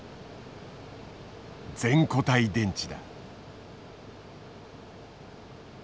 「全固体電池」だ。